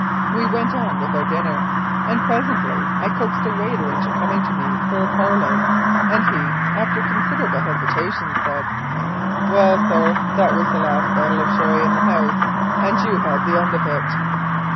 We went on with our dinner, and presently I coaxed a waiter into coming to me for a parley, and he, after considerable hesitation, said, "Well, sir, that was the last bottle of sherry in the house, and you had the end of it.